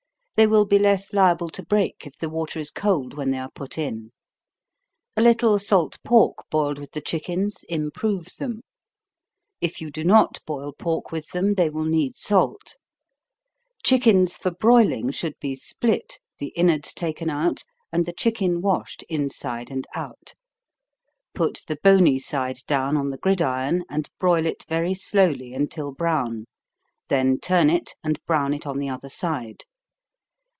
They will be less liable to break if the water is cold when they are put in. A little salt pork boiled with the chickens, improves them. If you do not boil pork with them they will need salt. Chickens for broiling should be split, the inwards taken out, and the chicken washed inside and out. Put the bony side down on the gridiron, and broil it very slowly until brown, then turn it, and brown it on the other side.